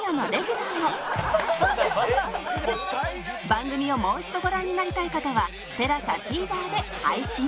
番組をもう一度ご覧になりたい方は ＴＥＬＡＳＡＴＶｅｒ で配信